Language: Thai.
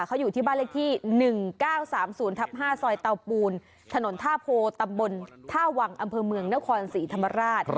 เขาอยู่ที่บ้านเลขที่๑๙๓๐ทับ๕ซอยเตาปูนถนนท่าโพตำบลท่าวังอำเภอเมืองนครศรีธรรมราช